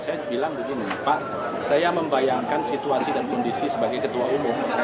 saya bilang begini pak saya membayangkan situasi dan kondisi sebagai ketua umum